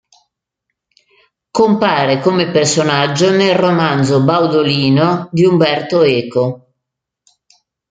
Compare come personaggio nel romanzo "Baudolino" di Umberto Eco.